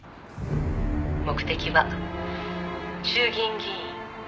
「目的は衆議院議員」